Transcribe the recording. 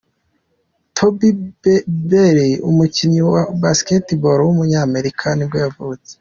Toby Bailey, umukinnyi wa basketball w’umunyamerika nibwo yavutse.